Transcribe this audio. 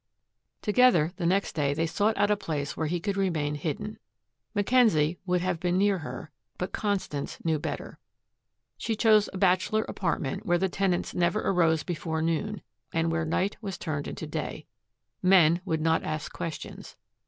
Together the next day they sought out a place where he could remain hidden. Mackenzie would have been near her, but Constance knew better. She chose a bachelor apartment where the tenants never arose before noon and where night was turned into day. Men would not ask questions.